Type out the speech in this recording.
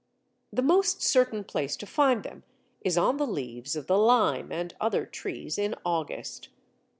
The most certain place to find them is on the leaves of the lime and other trees in August.